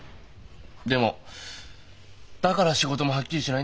でもだから仕事もはっきりしないんだよな。